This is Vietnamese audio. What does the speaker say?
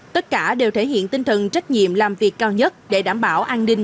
tất cả đều thể hiện tinh thần trách nhiệm làm việc cao nhất để đảm bảo an ninh